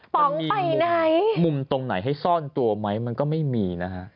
ป๋องไปไหนมุมตรงไหนให้ซ่อนตัวไหมมันก็ไม่มีนะฮะ